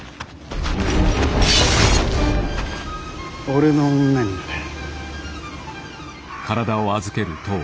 俺の女になれ。